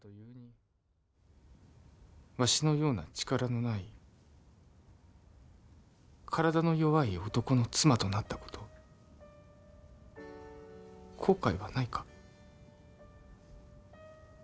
わしのような力のない体の弱い男の妻となったこと後悔はないか？